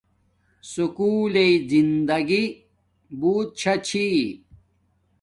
سُکول لݵ زندگی بوت شا چھی